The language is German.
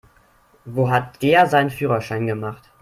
Wo hat der seinen Führerschein gemacht?